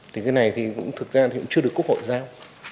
thì cái này thì cũng thực ra hiện chưa được quốc hội giao